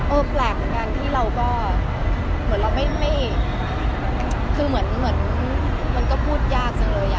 เออแปลกกันที่เราก็เหมือนเราไม่คือเหมือนมันก็พูดยากซักเลยอะ